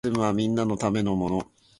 フェミニズムはみんなのためのもの